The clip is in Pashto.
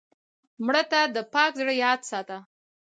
مړه ته د پاک زړه یاد ساته